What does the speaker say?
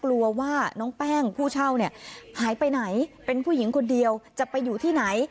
กลัวว่าน้องแป้งผู้เช่าเนี่ยหายไปไหนเป็นผู้หญิงคนเดียวจะไปอยู่ที่ไหน